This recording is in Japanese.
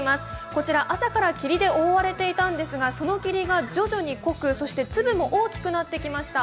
こちら朝から霧で覆われていたんですが、その霧が徐々に濃くそして粒も大きくなってきました。